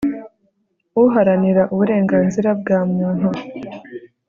uharanira uburenganzira bwa muntu